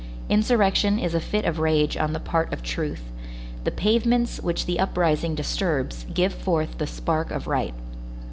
Insurrection is a fit of rage on the part of truth; the pavements which the uprising disturbs give forth the spark of right.